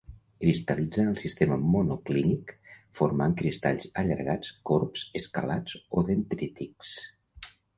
Cristal·litza en el sistema monoclínic, formant cristalls allargats, corbs, escalats o dendrítics.